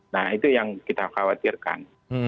nah itu yang kita khawatirkan